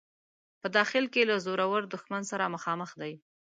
په داخل کې له زورور دښمن سره مخامخ دی.